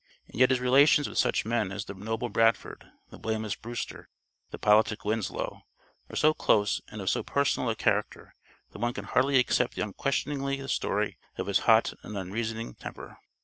And yet his relations with such men as the noble Bradford, the blameless Brewster, the politic Winslow, were so close and of so personal a character that one can hardly accept unquestioningly the story of his hot and unreasoning temper.